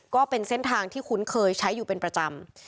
ก็เป็นเส้นทางที่คุ้นเคยใช้อยู่เป็นประจำ